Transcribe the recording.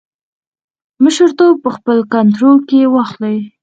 مشرتوب په خپل کنټرول کې واخلي.